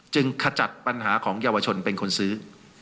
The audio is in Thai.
ขจัดปัญหาของเยาวชนเป็นคนซื้อ